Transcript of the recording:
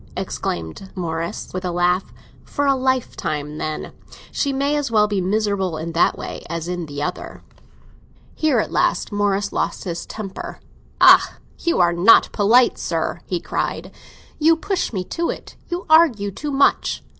exclaimed Morris, with a laugh. "For a lifetime, then! She may as well be miserable in that way as in the other." Here at last Morris lost his temper. "Ah, you are not polite, sir!" he cried. "You push me to it—you argue too much."